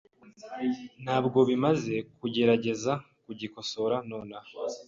Ntabwo bimaze kugerageza kugikosora nonaha .